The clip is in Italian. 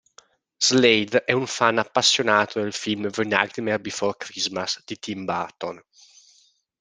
Slade è un fan appassionato del film The Nightmare Before Christmas di Tim Burton.